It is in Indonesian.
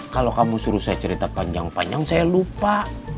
kalau kamu suruh saya cerita panjang panjang saya lupa